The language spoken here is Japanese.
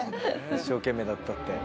「一生懸命だった」って。